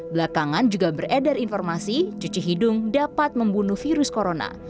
belakangan juga beredar informasi cuci hidung dapat membunuh virus corona